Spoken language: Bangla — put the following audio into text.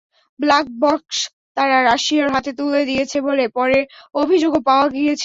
ব্ল্যাক বক্স তারা রাশিয়ার হাতে তুলে দিয়েছে বলে পরে অভিযোগও পাওয়া গিয়েছিল।